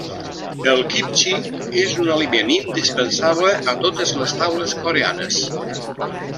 El kimchi és un aliment indispensable a totes les taules coreanes.